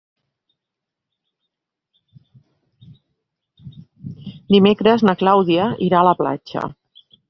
Dimecres na Clàudia irà a la platja.